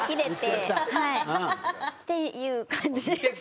っていう感じです。